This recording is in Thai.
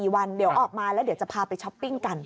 ๔วันเดี๋ยวออกมาแล้วเดี๋ยวจะพาไปช้อปปิ้งกัน